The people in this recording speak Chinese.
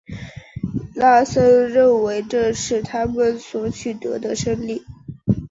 拉森认为这是他们所取得的胜利。